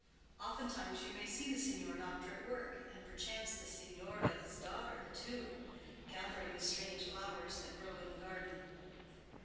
Oftentimes you may see the signor doctor at work, and perchance the signora, his daughter, too, gathering the strange flowers that grow in the garden."